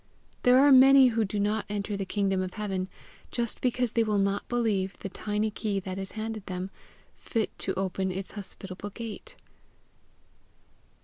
There are many who do not enter the kingdom of heaven just because they will not believe the tiny key that is handed them, fit to open its hospitable gate.